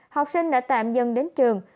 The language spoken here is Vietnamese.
học sinh đã tạm dừng đến trường